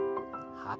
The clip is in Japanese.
はい。